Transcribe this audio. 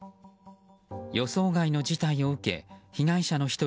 予想外の事態を受け被害者の１人